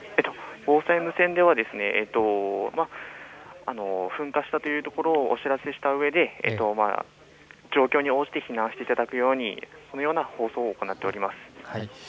防災無線では噴火したというところをお知らせしたうえで状況に応じて避難していただくように、そういう放送を行っています。